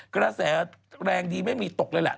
กระแสแรงดีไม่มีตกเลยแหละ